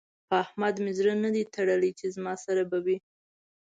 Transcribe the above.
په احمد مې زړه نه دی تړلی چې زما سره به وي.